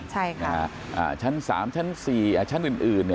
ไปร้านอาหารชั้น๓ชั้น๔ชั้นอื่น